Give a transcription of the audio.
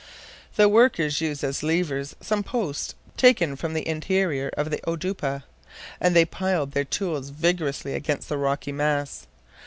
The workers used as levers some posts taken from the interior of the oudoupa, and they plied their tools vigorously against the rocky mass.